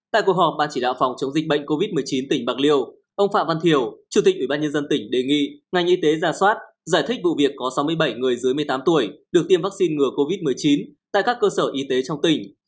tại cuộc họp ban chỉ đạo phòng chống dịch bệnh covid một mươi chín tỉnh bạc liêu ông phạm văn thiểu chủ tịch ủy ban nhân dân tỉnh đề nghị ngành y tế ra soát giải thích vụ việc có sáu mươi bảy người dưới một mươi tám tuổi được tiêm vaccine ngừa covid một mươi chín tại các cơ sở y tế trong tỉnh